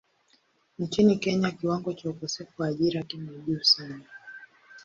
Nchini Kenya kiwango cha ukosefu wa ajira kimo juu sana.